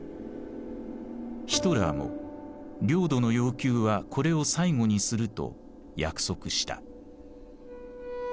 ヒトラーも領土の要求はこれを最後にすると約束した。